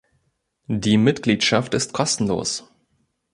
Die Mitgliedschaft ist kostenlos.